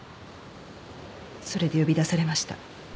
それで呼び出されました。